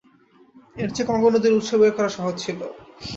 এর চেয়ে কঙ্গো নদীর উৎস বের করা সহজ ছিল।